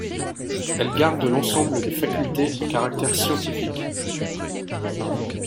Elle garde l'ensemble des facultés à caractères scientifiques.